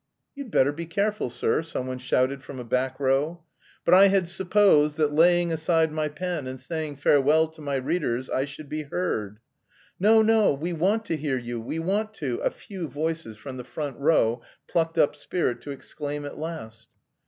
"You'd better be careful, sir," someone shouted from a back row. "But I had supposed that laying aside my pen and saying farewell to my readers, I should be heard..." "No, no, we want to hear you, we want to," a few voices from the front row plucked up spirit to exclaim at last.